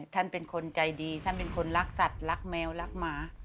ท่านเป็นคนใจดีท่านเป็นคนรักสัตว์รักแมวรักหมา